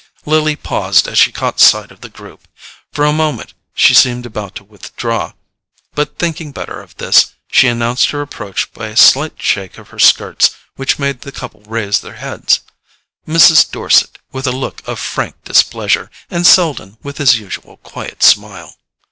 Lily paused as she caught sight of the group; for a moment she seemed about to withdraw, but thinking better of this, she announced her approach by a slight shake of her skirts which made the couple raise their heads, Mrs. Dorset with a look of frank displeasure, and Selden with his usual quiet smile.